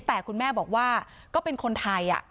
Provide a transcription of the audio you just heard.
แต่คุณแม่บอกว่าก็เป็นคนไทย